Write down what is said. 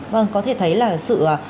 vâng có thể thấy là sự